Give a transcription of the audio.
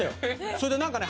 それでなんかね